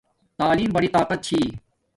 تعلیم بڑی طاقت چھی